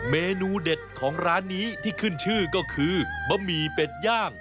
เมนูเด็ดของร้านนี้ที่ขึ้นชื่อก็คือบะหมี่เป็ดย่าง